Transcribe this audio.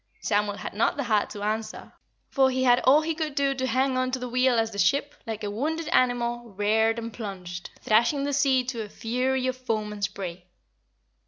Samuel had not the heart to answer, for he had all he could do to hang on to the wheel as the ship, like a wounded animal, reared and plunged, thrashing the sea to a fury of foam and spray.